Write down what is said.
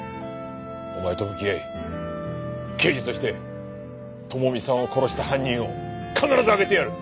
お前と向き合い刑事として智美さんを殺した犯人を必ず挙げてやる！